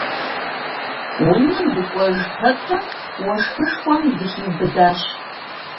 Унэм дыкӀуэж пэтрэ, уэшхышхуэм дыхиубыдащ.